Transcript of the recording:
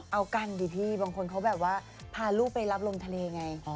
เอากันดิพี่บางคนเขาแบบว่าพาลูกไปรับลมทะเลไง